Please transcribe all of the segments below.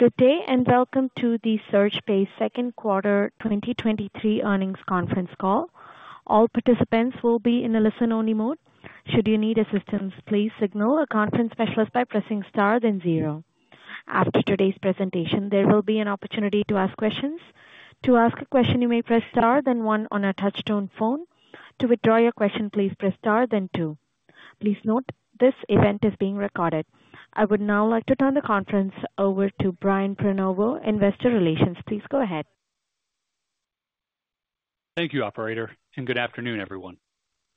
Good day. Welcome to the SurgePays Second Quarter 2023 Earnings Conference Call. All participants will be in a listen-only mode. Should you need assistance, please signal a conference specialist by pressing star then zero. After today's presentation, there will be an opportunity to ask questions. To ask a question, you may press star then one on a touch-tone phone. To withdraw your question, please press star then two. Please note, this event is being recorded. I would now like to turn the conference over to Brian Prenoveau, Investor Relations. Please go ahead. Thank you, Operator, and good afternoon, everyone.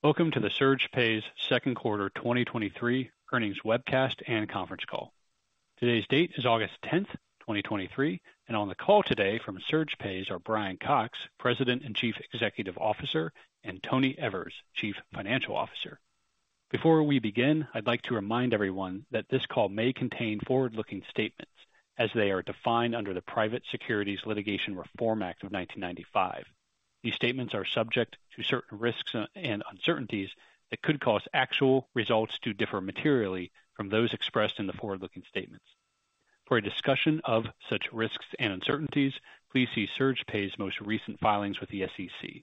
Welcome to the SurgePays second quarter 2023 earnings webcast and conference call. Today's date is August 10th 2023, and on the call today from SurgePays are Brian Cox, President and Chief Executive Officer, and Tony Evers, Chief Financial Officer. Before we begin, I'd like to remind everyone that this call may contain forward-looking statements as they are defined under the Private Securities Litigation Reform Act of 1995. These statements are subject to certain risks and uncertainties that could cause actual results to differ materially from those expressed in the forward-looking statements. For a discussion of such risks and uncertainties, please see SurgePays most recent filings with the SEC.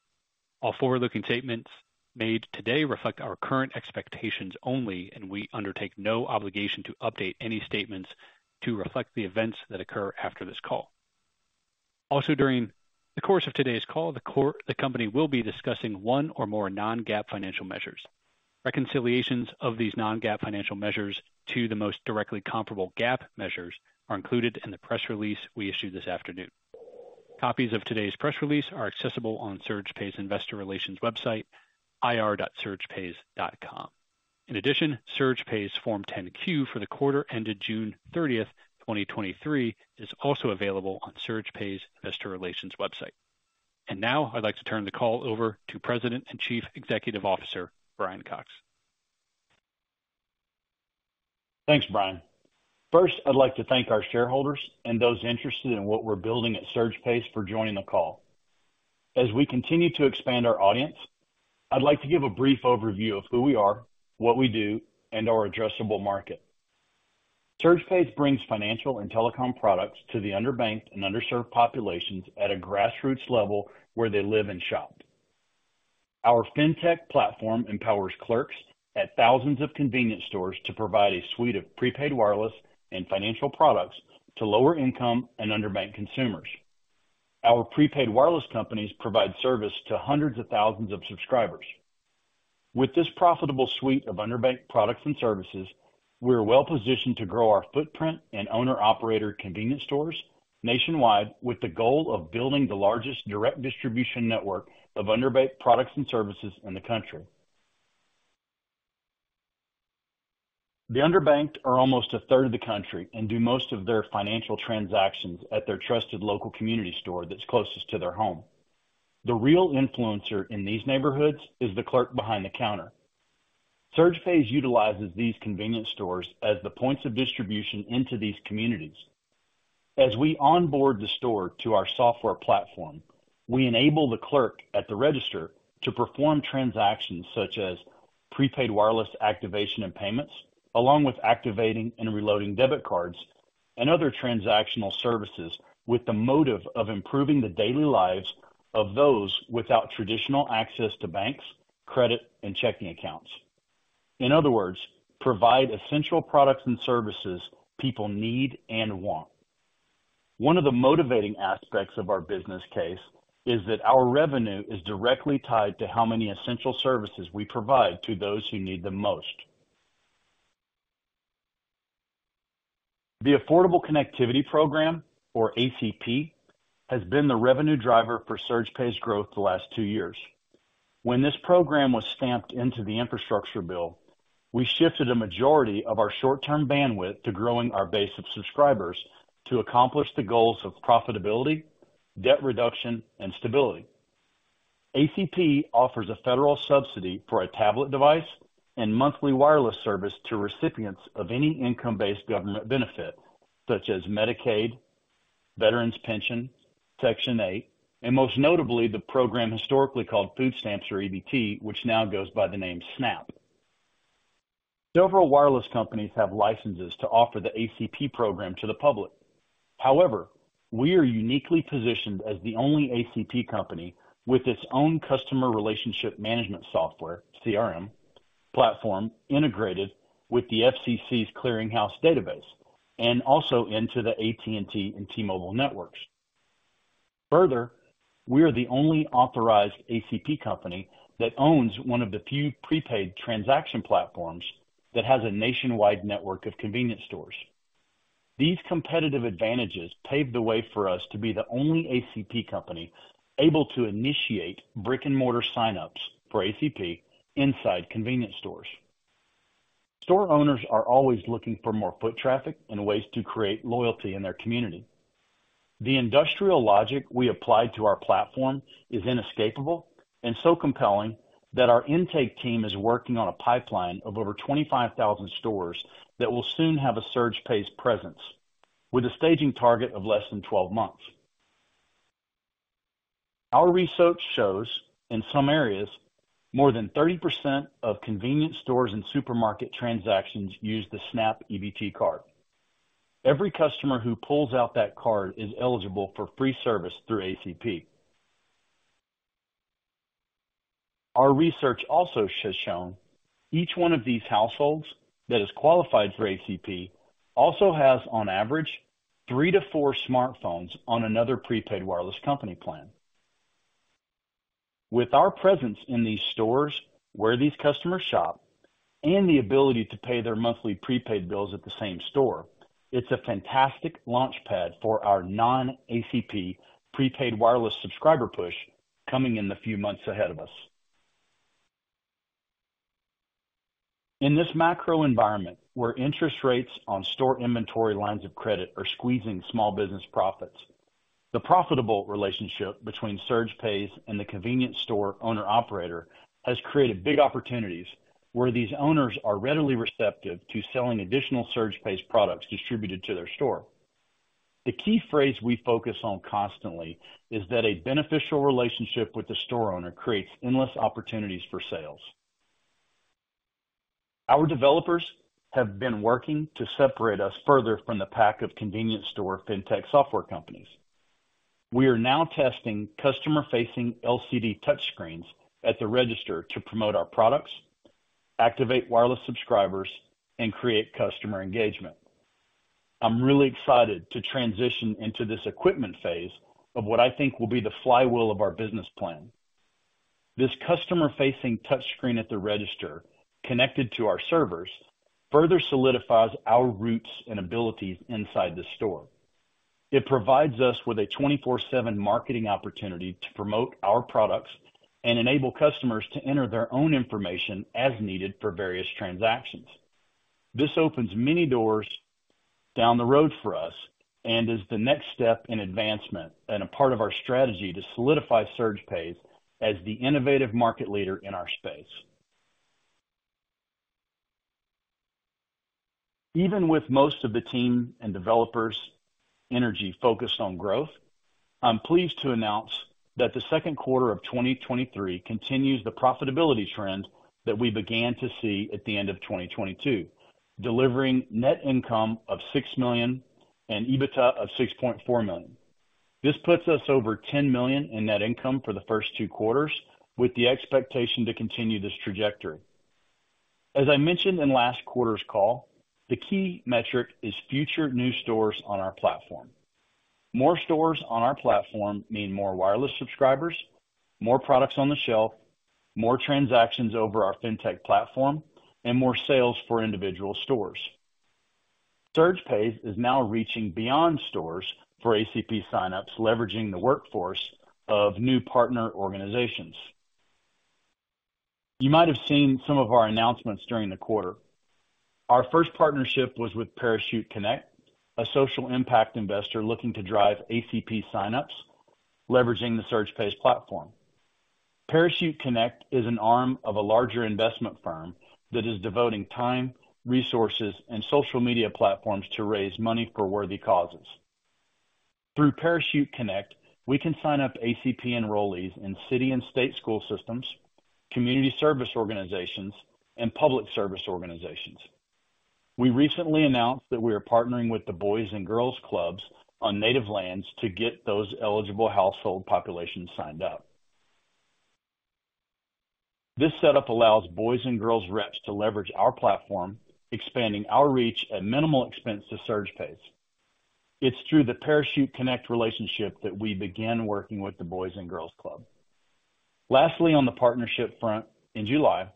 All forward-looking statements made today reflect our current expectations only, and we undertake no obligation to update any statements to reflect the events that occur after this call. Also, during the course of today's call, the company will be discussing one or more non-GAAP financial measures. Reconciliations of these non-GAAP financial measures to the most directly comparable GAAP measures are included in the press release we issued this afternoon. Copies of today's press release are accessible on SurgePays Investor Relations website, ir.surgepays.com. In addition, SurgePays' Form 10-Q for the quarter ended June 30th 2023, is also available on SurgePays Investor Relations website. Now I'd like to turn the call over to President and Chief Executive Officer, Brian Cox. Thanks, Brian. First, I'd like to thank our shareholders and those interested in what we're building at SurgePays for joining the call. As we continue to expand our audience, I'd like to give a brief overview of who we are, what we do, and our addressable market. SurgePays brings financial and telecom products to the underbanked and underserved populations at a grassroots level where they live and shop. Our fintech platform empowers clerks at thousands of convenience stores to provide a suite of prepaid wireless and financial products to lower-income and underbanked consumers. Our prepaid wireless companies provide service to hundreds of thousands of subscribers. With this profitable suite of underbanked products and services, we are well-positioned to grow our footprint and owner-operated convenience stores nationwide, with the goal of building the largest direct distribution network of underbanked products and services in the country. The underbanked are almost a third of the country and do most of their financial transactions at their trusted local community store that's closest to their home. The real influencer in these neighborhoods is the clerk behind the counter. SurgePays utilizes these convenience stores as the points of distribution into these communities. As we onboard the store to our software platform, we enable the clerk at the register to perform transactions such as prepaid wireless activation and payments, along with activating and reloading debit cards and other transactional services, with the motive of improving the daily lives of those without traditional access to banks, credit, and checking accounts. In other words, provide essential products and services people need and want. One of the motivating aspects of our business case is that our revenue is directly tied to how many essential services we provide to those who need the most. The Affordable Connectivity Program, or ACP, has been the revenue driver for SurgePays growth the last two years. When this program was stamped into the infrastructure bill, we shifted a majority of our short-term bandwidth to growing our base of subscribers to accomplish the goals of profitability, debt reduction, and stability. ACP offers a federal subsidy for a tablet device and monthly wireless service to recipients of any income-based government benefit, such as Medicaid, Veterans Pension, Section 8, and most notably, the program historically called Food Stamps or EBT, which now goes by the name SNAP. Several wireless companies have licenses to offer the ACP program to the public. However, we are uniquely positioned as the only ACP company with its own customer relationship management software, CRM, platform, integrated with the FCC's Accessibility Clearinghouse database and also into the AT&T and T-Mobile networks. Further, we are the only authorized ACP company that owns one of the few prepaid transaction platforms that has a nationwide network of convenience stores. These competitive advantages paved the way for us to be the only ACP company able to initiate brick-and-mortar signups for ACP inside convenience stores. Store owners are always looking for more foot traffic and ways to create loyalty in their community. The industrial logic we applied to our platform is inescapable and so compelling that our intake team is working on a pipeline of over 25,000 stores that will soon have a SurgePays presence with a staging target of less than 12 months. Our research shows, in some areas, more than 30% of convenience stores and supermarket transactions use the SNAP EBT card. Every customer who pulls out that card is eligible for free service through ACP. Our research also has shown each one of these households that is qualified for ACP also has, on average, three to four smartphones on another prepaid wireless company plan. With our presence in these stores where these customers shop, and the ability to pay their monthly prepaid bills at the same store, it's a fantastic launch pad for our non-ACP prepaid wireless subscriber push coming in the few months ahead of us. In this macro environment, where interest rates on store inventory lines of credit are squeezing small business profits, the profitable relationship between SurgePays and the convenience store owner/operator has created big opportunities where these owners are readily receptive to selling additional SurgePays products distributed to their store. The key phrase we focus on constantly is that a beneficial relationship with the store owner creates endless opportunities for sales. Our developers have been working to separate us further from the pack of convenience store fintech software companies. We are now testing customer-facing LCD touchscreens at the register to promote our products, activate wireless subscribers, and create customer engagement. I'm really excited to transition into this equipment phase of what I think will be the flywheel of our business plan. This customer-facing touchscreen at the register, connected to our servers, further solidifies our roots and abilities inside the store. It provides us with a 24/7 marketing opportunity to promote our products and enable customers to enter their own information as needed for various transactions. This opens many doors down the road for us and is the next step in advancement and a part of our strategy to solidify SurgePays as the innovative market leader in our space. Even with most of the team and developers' energy focused on growth, I'm pleased to announce that the second quarter of 2023 continues the profitability trend that we began to see at the end of 2022, delivering net income of $6 million and EBITDA of $6.4 million. This puts us over $10 million in net income for the first two quarters, with the expectation to continue this trajectory. As I mentioned in last quarter's call, the key metric is future new stores on our platform. More stores on our platform mean more wireless subscribers, more products on the shelf, more transactions over our fintech platform, and more sales for individual stores. SurgePays is now reaching beyond stores for ACP sign-ups, leveraging the workforce of new partner organizations. You might have seen some of our announcements during the quarter. Our first partnership was with ParichuteConnect, a social impact investor looking to drive ACP sign-ups, leveraging the SurgePays platform. ParichuteConnect is an arm of a larger investment firm that is devoting time, resources, and social media platforms to raise money for worthy causes. Through ParichuteConnect, we can sign up ACP enrollees in city and state school systems, community service organizations, and public service organizations. We recently announced that we are partnering with the Boys & Girls Clubs of America Native Services on native lands to get those eligible household populations signed up. This setup allows Boys & Girls Clubs of America Native Services representatives to leverage our platform, expanding our reach at minimal expense to SurgePays. It's through the ParichuteConnect relationship that we began working with the Boys & Girls Clubs of America Native Services. Lastly, on the partnership front, in July,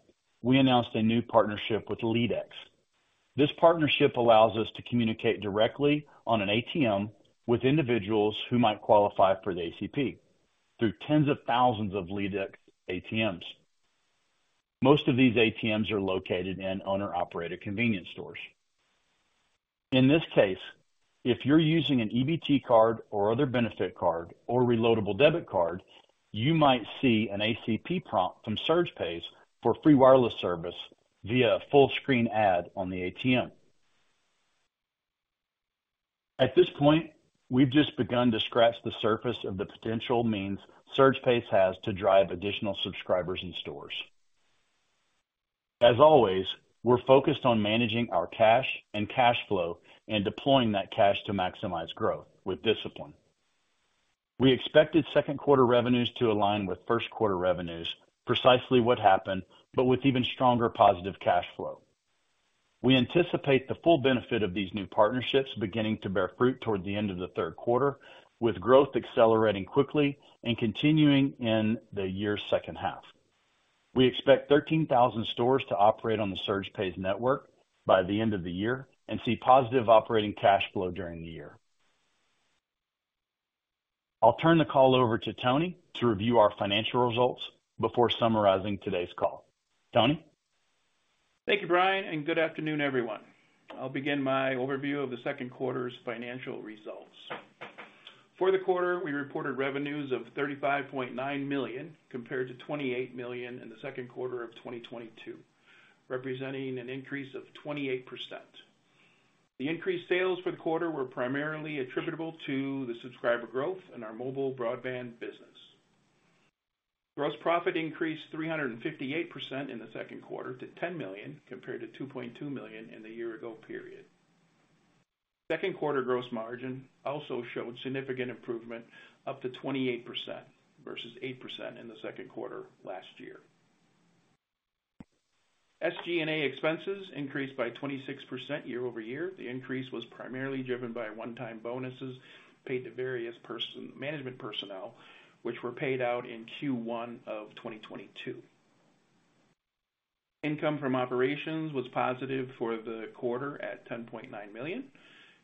we announced a new partnership with LeadEx. This partnership allows us to communicate directly on an ATM with individuals who might qualify for the ACP through tens of thousands of LeadEx ATMs. Most of these ATMs are located in owner/operator convenience stores. In this case, if you're using an EBT card or other benefit card or reloadable debit card, you might see an ACP prompt from SurgePays for free wireless service via a full-screen ad on the ATM. At this point, we've just begun to scratch the surface of the potential means SurgePays has to drive additional subscribers and stores. As always, we're focused on managing our cash and cash flow and deploying that cash to maximize growth with discipline. We expected second quarter revenues to align with first quarter revenues, precisely what happened, but with even stronger positive cash flow. We anticipate the full benefit of these new partnerships beginning to bear fruit toward the end of the third quarter, with growth accelerating quickly and continuing in the year's second half. We expect 13,000 stores to operate on the SurgePays network by the end of the year and see positive operating cash flow during the year. I'll turn the call over to Tony to review our financial results before summarizing today's call. Tony? Thank you, Brian. Good afternoon, everyone. I'll begin my overview of the second quarter's financial results. For the quarter, we reported revenues of $35.9 million, compared to $28 million in the second quarter of 2022, representing an increase of 28%. The increased sales for the quarter were primarily attributable to the subscriber growth in our mobile broadband business. Gross profit increased 358% in the second quarter to $10 million, compared to $2.2 million in the year ago period. Second quarter gross margin also showed significant improvement, up to 28% versus 8% in the second quarter last year. SG&A expenses increased by 26% year-over-year. The increase was primarily driven by one-time bonuses paid to various management personnel, which were paid out in Q1 of 2022. Income from operations was positive for the quarter at $10.9 million,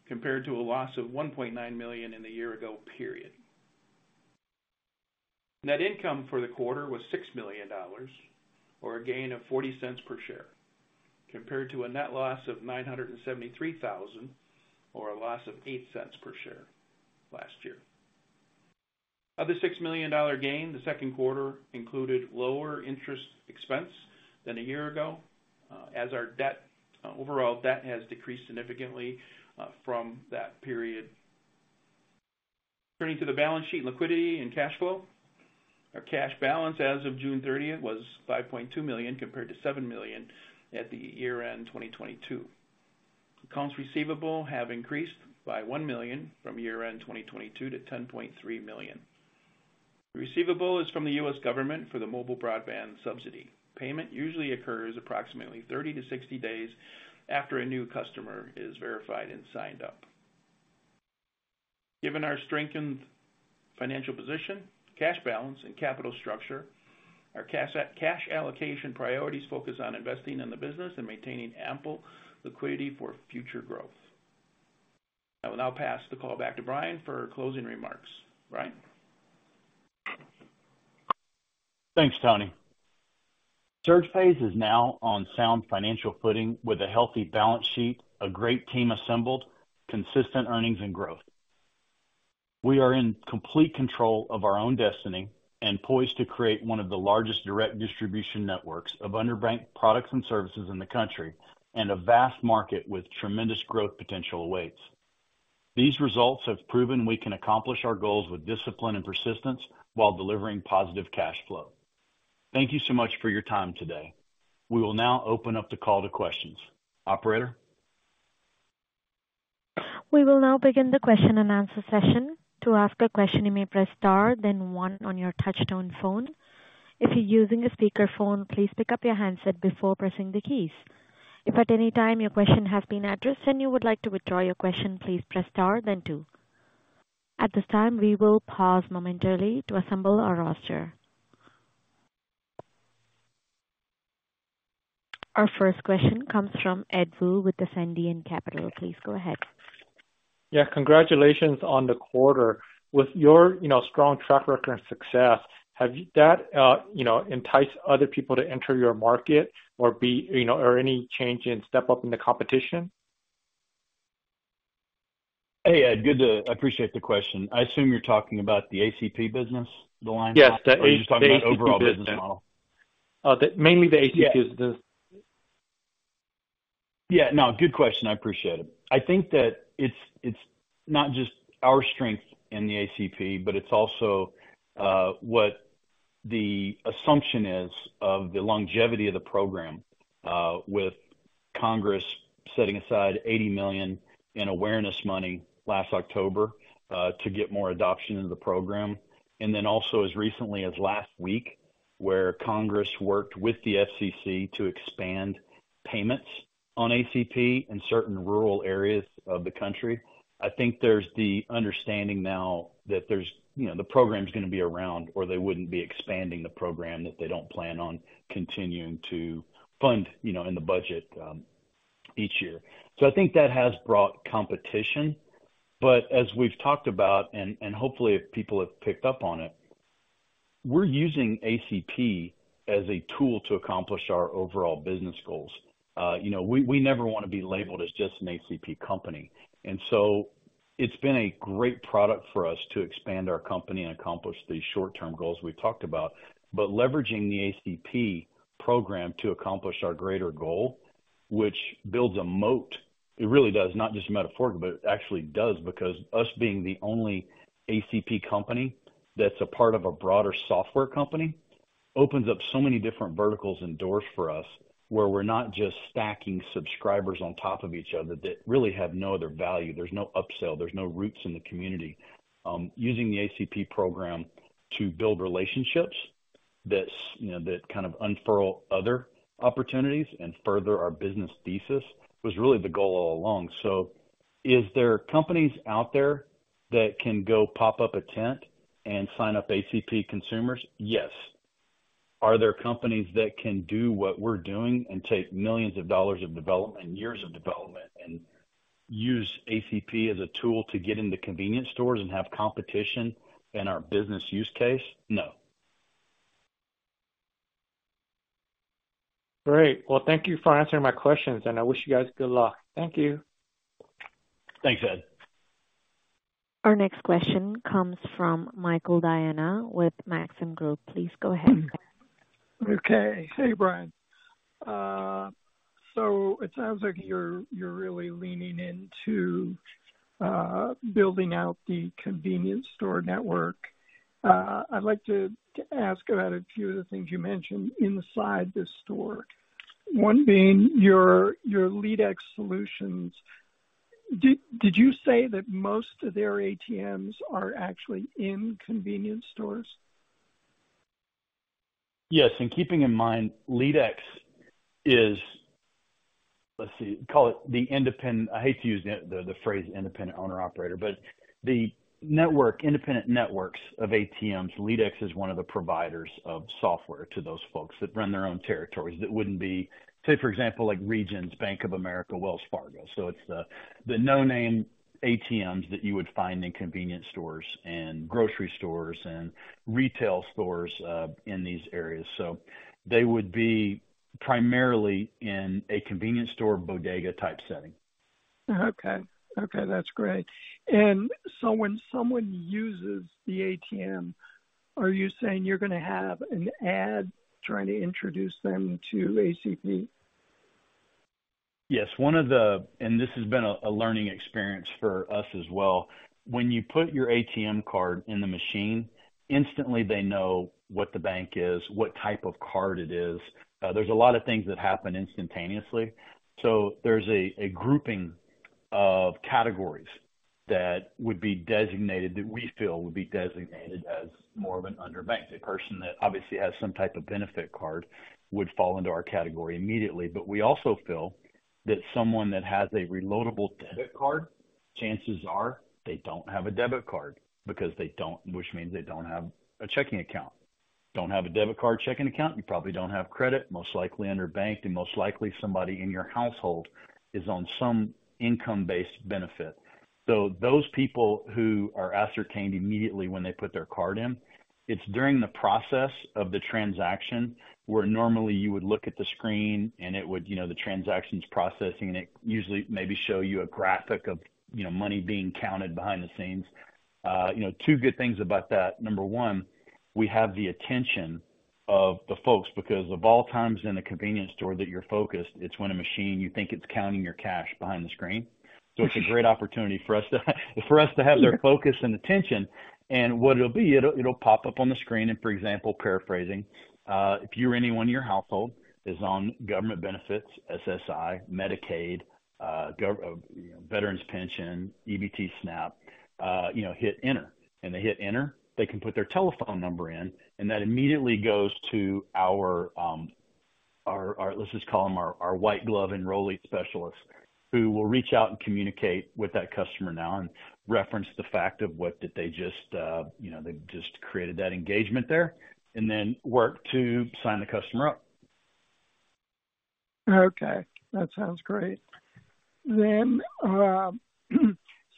compared to a loss of $1.9 million in the year ago period. Net income for the quarter was $6 million, or a gain of $0.40 per share, compared to a net loss of $973,000, or a loss of $0.08 per share last year. Of the $6 million gain, the second quarter included lower interest expense than a year ago, as our debt, overall debt has decreased significantly from that period. Turning to the balance sheet, liquidity, and cash flow. Our cash balance as of June 30 was $5.2 million, compared to $7 million at the year-end 2022. Accounts receivable have increased by $1 million from year-end 2022 to $10.3 million. Receivable is from the U.S. government for the mobile broadband subsidy. Payment usually occurs approximately 30-60 days after a new customer is verified and signed up. Given our strengthened financial position, cash balance, and capital structure, our cash allocation priorities focus on investing in the business and maintaining ample liquidity for future growth. I will now pass the call back to Brian for closing remarks. Brian? Thanks, Tony. SurgePays is now on sound financial footing with a healthy balance sheet, a great team assembled, consistent earnings and growth. We are in complete control of our own destiny and poised to create one of the largest direct distribution networks of underbanked products and services in the country, a vast market with tremendous growth potential awaits. These results have proven we can accomplish our goals with discipline and persistence while delivering positive cash flow. Thank you so much for your time today. We will now open up the call to questions. Operator? We will now begin the question-and-answer session. To ask a question, you may press star then one on your touch-tone phone. If you're using a speakerphone, please pick up your handset before pressing the keys. If at any time your question has been addressed, and you would like to withdraw your question, please press star then two. At this time, we will pause momentarily to assemble our roster. Our first question comes from Ed Woo with Ascendiant Capital. Please go ahead. Congratulations on the quarter. With your, you know, strong track record and success, have that, you know, enticed other people to enter your market or be, you know, or any change in step up in the competition? Hey, Ed, I appreciate the question. I assume you're talking about the ACP business, the line? Yes, the ACP business. Are you just talking about the overall business model? Mainly the ACP. Good question. I appreciate it. I think that it's, it's not just our strength in the ACP, but it's also what the assumption is of the longevity of the program, with Congress setting aside $80 million in awareness money last October to get more adoption into the program. Also as recently as last week, where Congress worked with the FCC to expand payments on ACP in certain rural areas of the country. I think there's the understanding now that there's, you know, the program's gonna be around, or they wouldn't be expanding the program, that they don't plan on continuing to fund, you know, in the budget each year. I think that has brought competition, as we've talked about, and hopefully if people have picked up on it, we're using ACP as a tool to accomplish our overall business goals. You know, we never want to be labeled as just an ACP company. It's been a great product for us to expand our company and accomplish the short-term goals we've talked about. Leveraging the ACP program to accomplish our greater goal, which builds a moat, it really does, not just metaphorically, but it actually does, because us being the only ACP company that's a part of a broader software company, opens up so many different verticals and doors for us, where we're not just stacking subscribers on top of each other that really have no other value. There's no upsell, there's no roots in the community. Using the ACP program to build relationships that's, you know, that kind of unfurl other opportunities and further our business thesis, was really the goal all along. Is there companies out there that can go pop up a tent and sign up ACP consumers? Yes. Are there companies that can do what we're doing and take millions of dollars of development and years of development and use ACP as a tool to get into convenience stores and have competition in our business use case? No. Great! Well, thank you for answering my questions. I wish you guys good luck. Thank you. Thanks, Ed. Our next question comes from Michael Diana with Maxim Group. Please go ahead. Okay. Hey, Brian. It sounds like you're really leaning into building out the convenience store network. I'd like to, to ask about a few of the things you mentioned inside this store. One being your, your LeadEx Solutions. Did you say that most of their ATMs are actually in convenience stores? Yes, keeping in mind, LeadEx is, let's see, call it the independent-- I hate to use the phrase independent owner/operator, but the network, independent networks of ATMs, LeadEx is one of the providers of software to those folks that run their own territories. That wouldn't be, say, for example, like Regions, Bank of America, Wells Fargo. It's the no-name ATMs that you would find in convenience stores and grocery stores and retail stores, in these areas. They would be primarily in a convenience store, bodega-type setting. Okay. Okay, that's great. So when someone uses the ATM, are you saying you're going to have an ad trying to introduce them to ACP? Yes. One of the... and this has been a learning experience for us as well. When you put your ATM card in the machine, instantly they know what the bank is, what type of card it is. There's a lot of things that happen instantaneously. There's a grouping of categories that would be designated, that we feel would be designated as more of an underbanked. A person that obviously has some type of benefit card would fall into our category immediately. We also feel that someone that has a reloadable debit card, chances are they don't have a debit card because they don't, which means they don't have a checking account. Don't have a debit card checking account, you probably don't have credit, most likely underbanked, and most likely somebody in your household is on some income-based benefit. Those people who are ascertained immediately when they put their card in, it's during the process of the transaction, where normally you would look at the screen and it would, you know, the transaction's processing, and it usually maybe show you a graphic of, you know, money being counted behind the scenes. You know, two good things about that. Number one, we have the attention of the folks, because of all times in a convenience store that you're focused, it's when a machine, you think it's counting your cash behind the screen. It's a great opportunity for us to, for us to have their focus and attention. What it'll be, it'll, it'll pop up on the screen and, for example, paraphrasing, "If you or anyone in your household is on government benefits, SSI, Medicaid, you know, Veterans Pension, SNAP/EBT, you know, hit Enter." They hit Enter, they can put their telephone number in, and that immediately goes to our, our, our, let's just call them our, our white glove enrollee specialists, who will reach out and communicate with that customer now and reference the fact of what did they just, you know, they just created that engagement there, and then work to sign the customer up. Okay, that sounds great.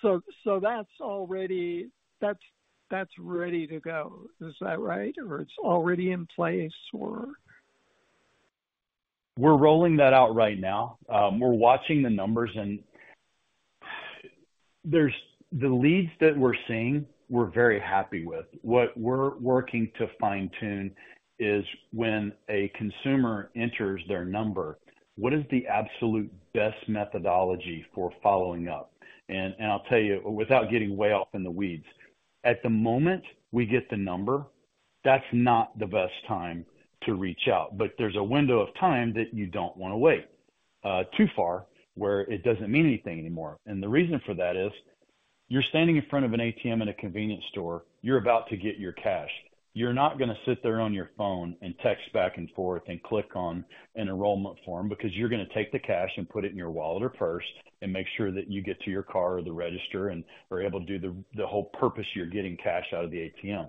So that's already... That's ready to go. Is that right? It's already in place, or? We're rolling that out right now. We're watching the numbers. The leads that we're seeing, we're very happy with. What we're working to fine-tune is when a consumer enters their number, what is the absolute best methodology for following up? I'll tell you, without getting way off in the weeds, at the moment we get the number, that's not the best time to reach out. There's a window of time that you don't want to wait too far, where it doesn't mean anything anymore. The reason for that is, you're standing in front of an ATM in a convenience store, you're about to get your cash. You're not going to sit there on your phone and text back and forth and click on an enrollment form because you're going to take the cash and put it in your wallet or purse and make sure that you get to your car or the register and are able to do the, the whole purpose you're getting cash out of the ATM.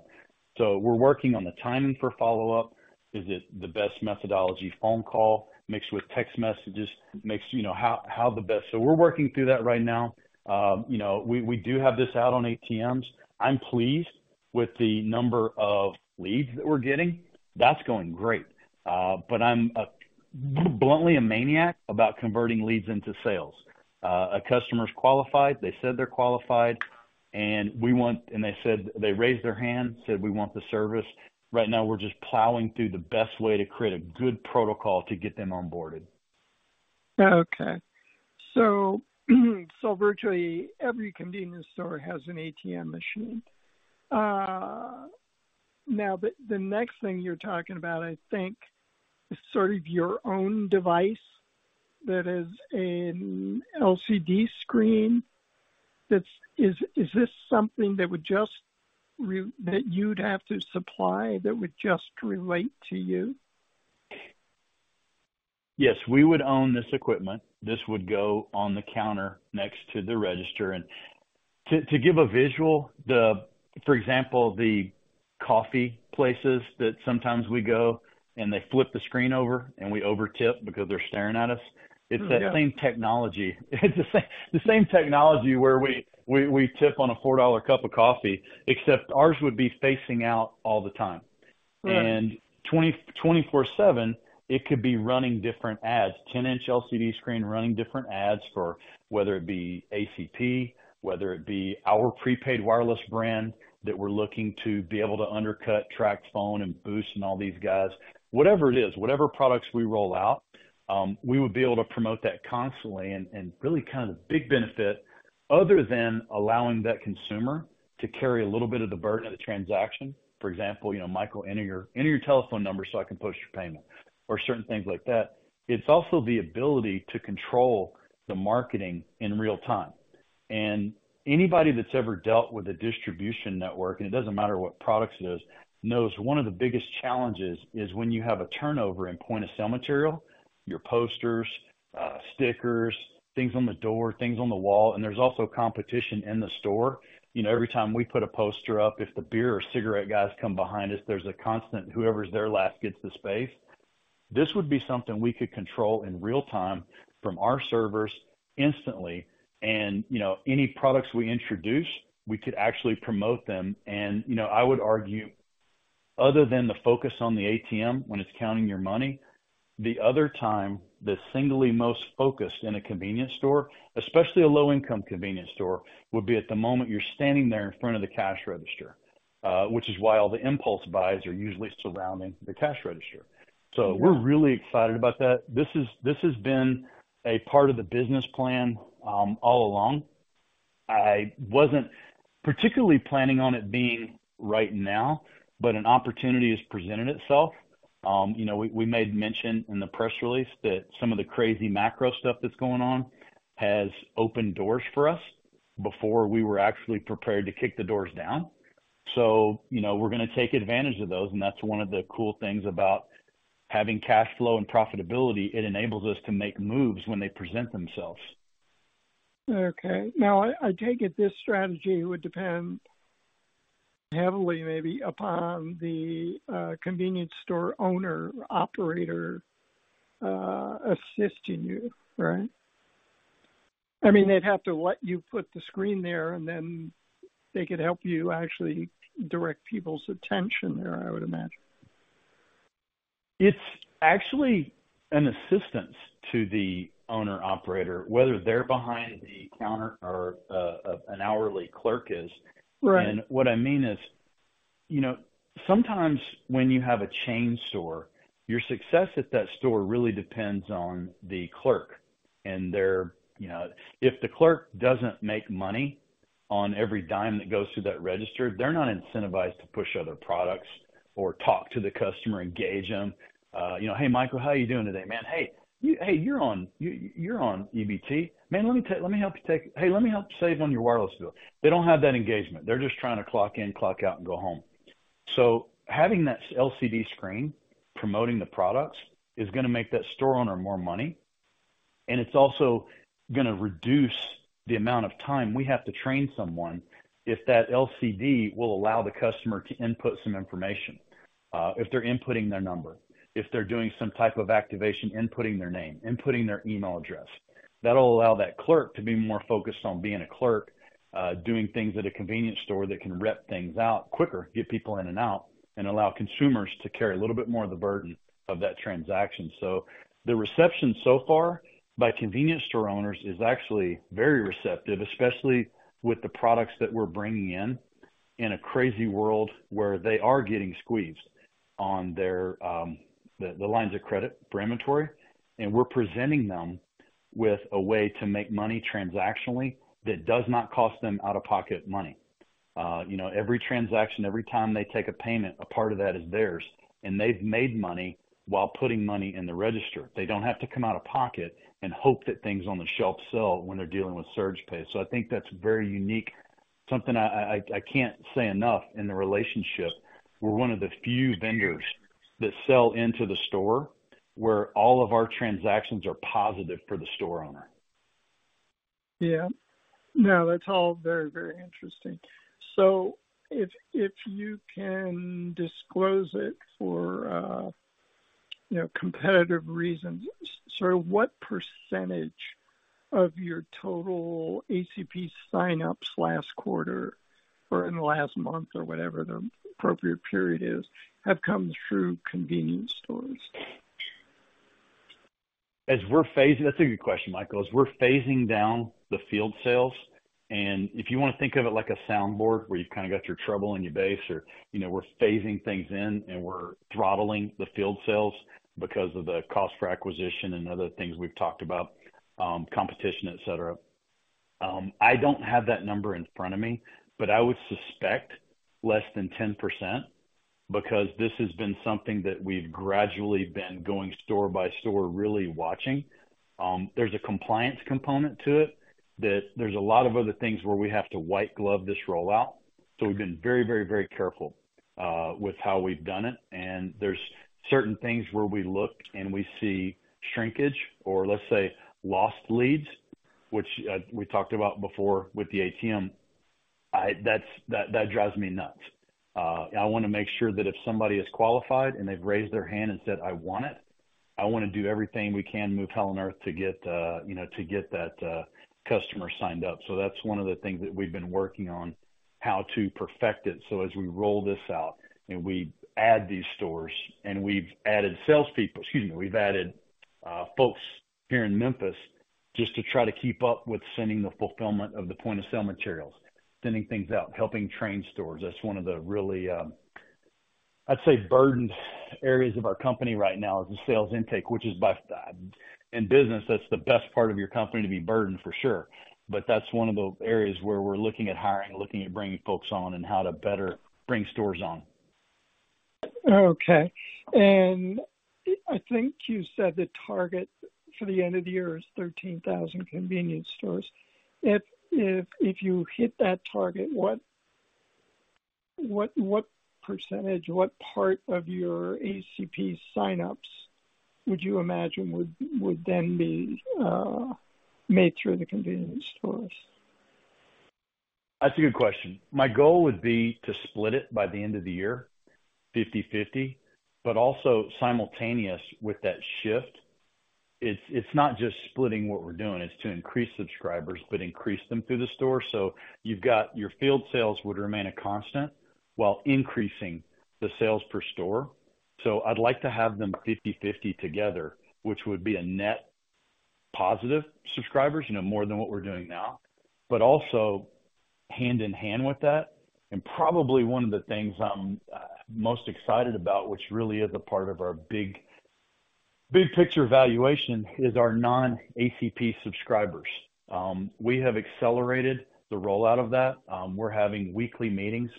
We're working on the timing for follow-up. Is it the best methodology, phone call mixed with text messages, mixed, you know, how the best... We're working through that right now. You know, we, we do have this out on ATMs. I'm pleased with the number of leads that we're getting. That's going great. But I'm a, bluntly, a maniac about converting leads into sales. A customer's qualified, they said they're qualified. They said, they raised their hand, said, "We want the service." Right now, we're just plowing through the best way to create a good protocol to get them onboarded. Okay. Virtually every convenience store has an ATM machine. Now, the next thing you're talking about, I think, is sort of your own device that is an LCD screen. Is this something that would just that you'd have to supply, that would just relate to you? Yes, we would own this equipment. This would go on the counter next to the register. To give a visual, for example, the coffee places that sometimes we go, and they flip the screen over and we overtip because they're staring at us. Yeah. It's that same technology. It's the same technology where we tip on a $4 cup of coffee, except ours would be facing out all the time. 24/7, it could be running different ads, 10-inch LCD screen running different ads for whether it be ACP, whether it be our prepaid wireless brand, that we're looking to be able to undercut TracFone and Boost Mobile and all these guys. Whatever it is, whatever products we roll out, we would be able to promote that constantly and really kind of big benefit other than allowing that consumer to carry a little bit of the burden of the transaction. For example, you know, "Michael, enter your telephone number so I can post your payment", or certain things like that. It's also the ability to control the marketing in real time. Anybody that's ever dealt with a distribution network, and it doesn't matter what products it is, knows one of the biggest challenges is when you have a turnover in point-of-sale material, your posters, stickers, things on the door, things on the wall, and there's also competition in the store. You know, every time we put a poster up, if the beer or cigarette guys come behind us, there's a constant whoever's there last gets the space. This would be something we could control in real time from our servers instantly, and, you know, any products we introduce, we could actually promote them. You know, I would argue, other than the focus on the ATM when it's counting your money, the other time, the single most focused in a convenience store, especially a low-income convenience store, would be at the moment you're standing there in front of the cash register, which is why all the impulse buys are usually surrounding the cash register. We're really excited about that. This has been a part of the business plan all along. I wasn't particularly planning on it being right now, but an opportunity has presented itself. You know, we, we made mention in the press release that some of the crazy macro stuff that's going on has opened doors for us before we were actually prepared to kick the doors down. You know, we're going to take advantage of those, and that's one of the cool things about having cash flow and profitability. It enables us to make moves when they present themselves. Okay. Now, I, I take it this strategy would depend heavily, maybe, upon the convenience store owner/operator assisting you, right? I mean, they'd have to let you put the screen there and then they could help you actually direct people's attention there, I would imagine. It's actually an assistance to the owner/operator, whether they're behind the counter or an hourly clerk is. Right. What I mean is, you know, sometimes when you have a chain store, your success at that store really depends on the clerk and their... You know, if the clerk doesn't make money on every dime that goes through that register, they're not incentivized to push other products or talk to the customer, engage them. You know, "Hey, Michael, how are you doing today, man? Hey, you're on EBT. Man, let me help you take... Hey, let me help you save on your wireless bill." They don't have that engagement. They're just trying to clock in, clock out, and go home. Having that LCD screen, promoting the products, is going to make that store owner more money, and it's also going to reduce the amount of time we have to train someone if that LCD will allow the customer to input some information. If they're inputting their number, if they're doing some type of activation, inputting their name, inputting their email address, that'll allow that clerk to be more focused on being a clerk, doing things at a convenience store that can rep things out quicker, get people in and out, and allow consumers to carry a little bit more of the burden of that transaction. The reception so far by convenience store owners is actually very receptive, especially with the products that we're bringing in, in a crazy world where they are getting squeezed on the lines of credit for inventory, and we're presenting them with a way to make money transactionally that does not cost them out-of-pocket money. You know, every transaction, every time they take a payment, a part of that is theirs, and they've made money while putting money in the register. They don't have to come out-of-pocket and hope that things on the shelf sell when they're dealing with SurgePays. I think that's very unique. Something I can't say enough in the relationship, we're one of the few vendors that sell into the store where all of our transactions are positive for the store owner. Yeah. No, that's all very, very interesting. If you can disclose it for, you know, competitive reasons, what percentage of your total ACP sign-ups last quarter or in the last month or whatever the appropriate period is, have come through convenience stores? That's a good question, Michael. As we're phasing down the field sales, and if you want to think of it like a soundboard, where you've kind of got your treble and your bass or, you know, we're phasing things in, and we're throttling the field sales because of the cost for acquisition and other things we've talked about, competition, et cetera. I don't have that number in front of me, but I would suspect less than 10% because this has been something that we've gradually been going store by store, really watching. There's a compliance component to it, that there's a lot of other things where we have to white glove this rollout, so we've been very, very, very careful with how we've done it. There's certain things where we look and we see shrinkage or, let's say, lost leads, which we talked about before with the ATM. That drives me nuts. I want to make sure that if somebody is qualified and they've raised their hand and said, "I want it." I wanna do everything we can, move hell and earth to get, you know, to get that customer signed up. That's one of the things that we've been working on, how to perfect it, so as we roll this out and we add these stores, and we've added salespeople. Excuse me, we've added folks here in Memphis just to try to keep up with sending the fulfillment of the point-of-sale materials, sending things out, helping train stores. That's one of the really, I'd say, burdened areas of our company right now, is the sales intake, which is in business, that's the best part of your company to be burdened for sure. That's one of the areas where we're looking at hiring, looking at bringing folks on, and how to better bring stores on. Okay. I think you said the target for the end of the year is 13,000 convenience stores. If you hit that target, what percentage, what part of your ACP sign-ups would you imagine would then be made through the convenience stores? That's a good question. My goal would be to split it by the end of the year, 50/50. Also simultaneous with that shift, it's not just splitting what we're doing, it's to increase subscribers, but increase them through the store. You've got your field sales would remain a constant while increasing the sales per store. I'd like to have them 50/50 together, which would be a net positive subscribers, you know, more than what we're doing now. Also hand-in-hand with that, and probably one of the things I'm most excited about, which really is a part of our big, big picture valuation, is our non-ACP subscribers. We have accelerated the rollout of that. We're having weekly meetings.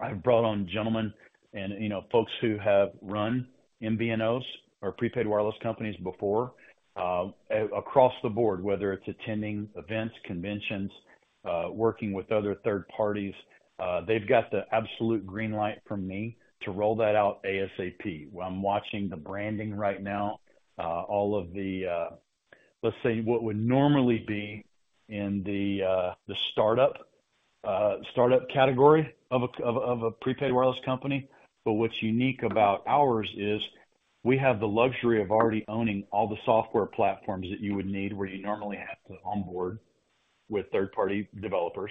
I've brought on gentlemen and, you know, folks who have run MVNOs or prepaid wireless companies before. Across the board, whether it's attending events, conventions, working with other third parties, they've got the absolute green light from me to roll that out ASAP. I'm watching the branding right now, all of the, let's say, what would normally be in the startup category of a prepaid wireless company. What's unique about ours is we have the luxury of already owning all the software platforms that you would need, where you normally have to onboard with third-party developers.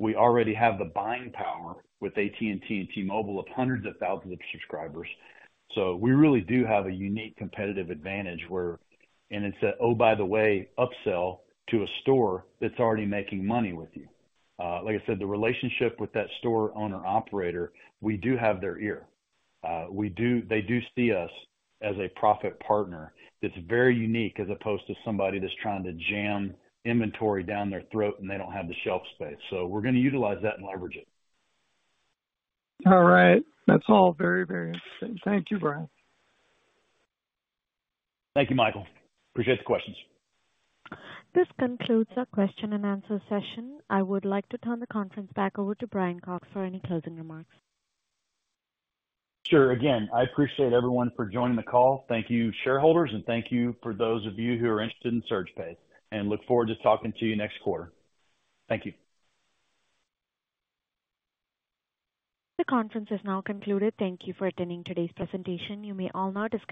We already have the buying power with AT&T and T-Mobile of hundreds of thousands of subscribers. We really do have a unique competitive advantage where... It's a, "Oh, by the way, upsell to a store that's already making money with you." Like I said, the relationship with that store owner/operator, we do have their ear. They do see us as a profit partner that's very unique, as opposed to somebody that's trying to jam inventory down their throat, and they don't have the shelf space. We're gonna utilize that and leverage it. All right. That's all very, very interesting. Thank you, Brian. Thank you, Michael. Appreciate the questions. This concludes our question-and-answer session. I would like to turn the conference back over to Brian Cox for any closing remarks. Sure. Again, I appreciate everyone for joining the call. Thank you, shareholders, and thank you for those of you who are interested in SurgePays, and look forward to talking to you next quarter. Thank you. The conference is now concluded. Thank you for attending today's presentation. You may all now disconnect.